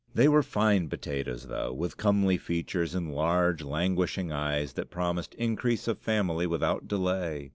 They were fine potatoes, though, with comely features, and large, languishing eyes, that promised increase of family without delay.